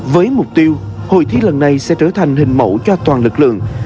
với mục tiêu hội thi lần này sẽ trở thành hình mẫu cho toàn lực lượng